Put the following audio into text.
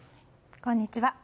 こんにちは。